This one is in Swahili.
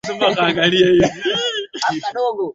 Chai imemwagika.